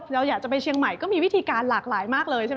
อยากจะไปเชียงใหม่ก็มีวิธีการหลากหลายมากเลย